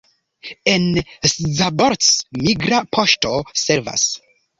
En Szabolcs migra poŝto servas.